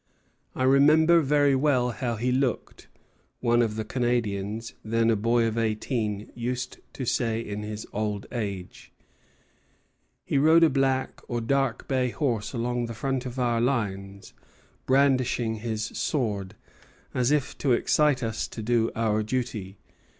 "I remember very well how he looked," one of the Canadians, then a boy of eighteen, used to say in his old age; "he rode a black or dark bay horse along the front of our lines, brandishing his sword, as if to excite us to do our duty.